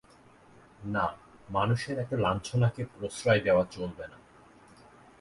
না– মানুষের এত লাঞ্ছনাকে প্রশ্রয় দেওয়া চলবে না।